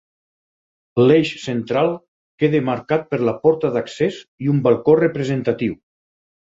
L'eix central queda marcat per la porta d'accés i un balcó representatiu.